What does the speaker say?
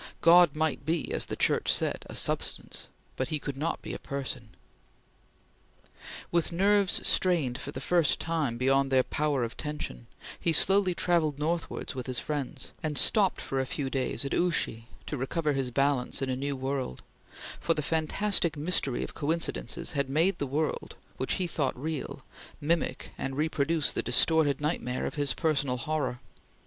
God might be, as the Church said, a Substance, but He could not be a Person. With nerves strained for the first time beyond their power of tension, he slowly travelled northwards with his friends, and stopped for a few days at Ouchy to recover his balance in a new world; for the fantastic mystery of coincidences had made the world, which he thought real, mimic and reproduce the distorted nightmare of his personal horror.